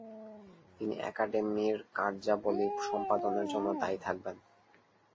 তিনি একাডেমির কার্যাবলি সম্পাদনের জন্য দায়ী থাকবেন।